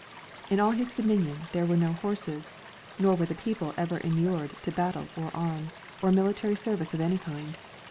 In all his dominion there were no horses ; nor were the people ever inured to battle or arms, or military service of any kind.